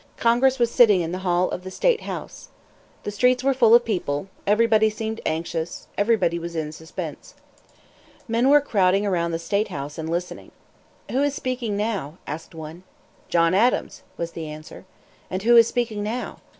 Congress was sitting in the Hall of the State House. The streets were full of people; everybody seemed anxious; everybody was in suspense. Men were crowding around the State House and listening. "Who is speaking now?" asked one. "John Adams," was the answer. "And who is speaking now?"